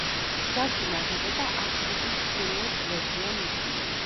მსგავსი ნაგებობა აფსიდის ჩრდილოეთ გვერდზეა მიდგმული.